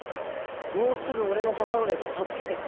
もうすぐ俺の母上が助けてくれる。